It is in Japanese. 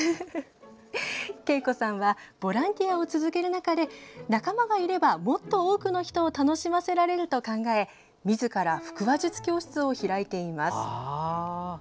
けいこさんはボランティアを続ける中で仲間がいれば、もっと多くの人を楽しませられると考えみずから腹話術教室を開いています。